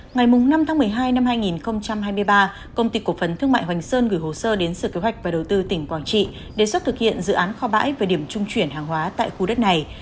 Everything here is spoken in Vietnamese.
ngày năm tháng một mươi hai năm hai nghìn hai mươi ba công ty cổ phần thương mại hoành sơn gửi hồ sơ đến sở kế hoạch và đầu tư tỉnh quảng trị đề xuất thực hiện dự án kho bãi về điểm trung chuyển hàng hóa tại khu đất này